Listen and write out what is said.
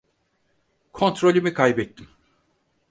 Kontrolümü kaybettim.